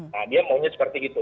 nah dia maunya seperti itu